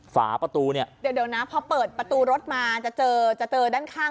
ฝาประตูเนี่ยเดี๋ยวนะพอเปิดประตูรถมาจะเจอจะเจอด้านข้าง